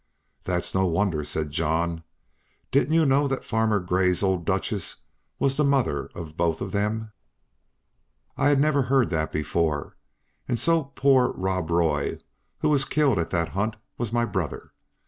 "That's no wonder," said John; "didn't you know that Farmer Grey's old Duchess was the mother of them both?" I had never heard that before; and so poor Rob Roy who was killed at that hunt was my brother!